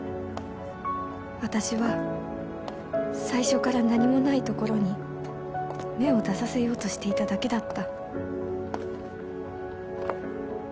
私は最初から何もないところに芽を出させようとしていただけだった